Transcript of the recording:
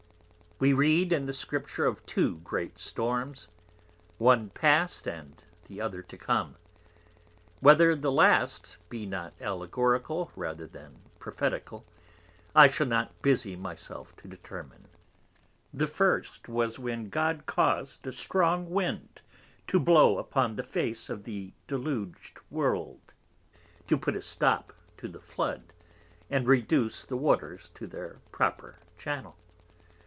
We read in the Scripture of Two Great Storms; One past, and the Other to come. Whether the last be not Allegorical rather than Prophetical, I shall not busie my self to determine. The First was when God caused a strong Wind to blow upon the Face of the Delug'd World; to put a stop to the Flood, and reduce the Waters to their proper Channel.